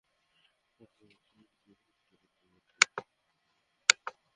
মাথায় এক চিমটি সিদুরও ওঠেনি।